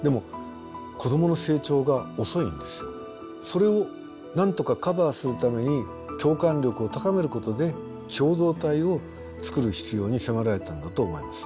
それをなんとかカバーするために共感力を高めることで共同体を作る必要に迫られたんだと思います。